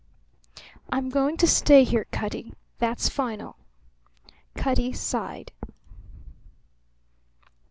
"I'm going to stay here, Cutty. That's final." Cutty sighed.